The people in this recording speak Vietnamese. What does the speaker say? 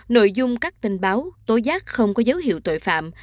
nội dung các tin báo tố giác không có dấu hiệu tội phạm